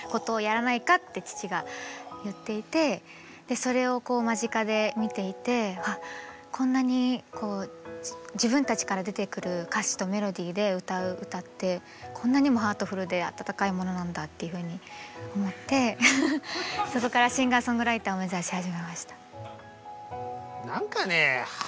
それをこう間近で見ていてこんなに自分たちから出てくる歌詞とメロディーで歌う歌ってこんなにもハートフルで温かいものなんだっていうふうに思ってそこからシンガーソングライターを目指し始めました。